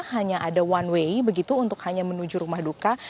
hanya ada one way begitu untuk hanya menuju rumah duka